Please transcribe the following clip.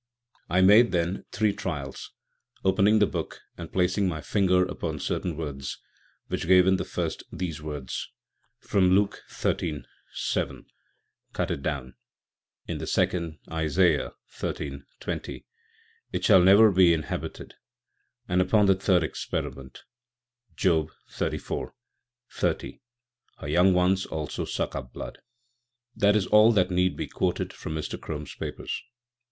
"I made, then, three trials, opening, the Book and placing my Finger upon certain words: which gave in the first these words, from Luke xiii. 7, Cut it down; in the second, Isaiah xiii. 20, It shall never be inhabited; and upon the third Experiment; Job xxxix. 30, Her young ones also suck up blood." This is all that need be quoted from Mr. Crome's papers.